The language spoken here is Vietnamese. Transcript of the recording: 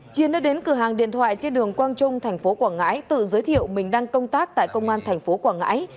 chiến đã đến cửa hàng điện thoại trên đường quang trung thành phố quảng ngãi tự giới thiệu mình đang công tác tại công an thành phố quảng ngãi